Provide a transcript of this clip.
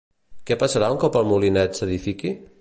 Què passarà un cop el molinet s'edifiqui?